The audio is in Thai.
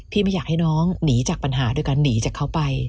ไม่อยากให้น้องหนีจากปัญหาโดยการหนีจากเขาไป